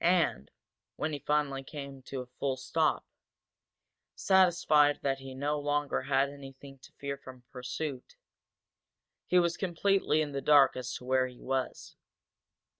And, when he finally came to a full stop, satisfied that he no longer had anything to fear from pursuit, he was completely in the dark as to where he was.